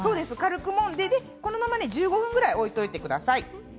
このまま１５分ぐらい置いておいてください。